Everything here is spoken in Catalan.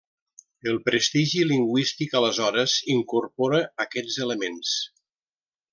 El prestigi lingüístic aleshores incorpora aquests elements.